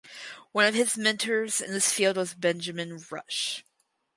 One of his mentors in this field was Benjamin Rush.